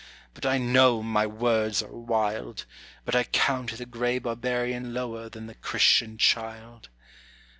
but I know my words are wild, But I count the gray barbarian lower than the Christian child.